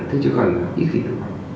thế chứ còn ít kỳ tử vong